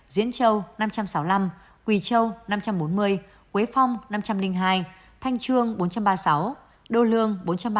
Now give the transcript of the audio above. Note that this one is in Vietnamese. diễn châu năm trăm sáu mươi năm quỳ châu năm trăm bốn mươi quế phong năm trăm linh hai thanh trương bốn trăm ba mươi sáu đô lương bốn trăm ba mươi